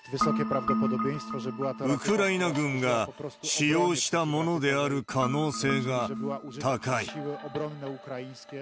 ウクライナ軍が使用したものである可能性が高い。